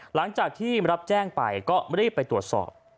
หลังจากที่รับแจ้งไปก็รีบไปตรวจสอบ